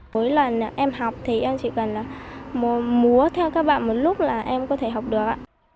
mỗi lần em học thì em chỉ cần mua theo các bạn một lúc là em có thể học được